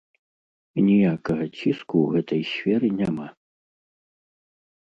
І ніякага ціску ў гэтай сферы няма.